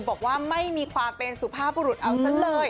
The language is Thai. บอกว่าไม่มีความเป็นสุภาพบุรุษเอาซะเลย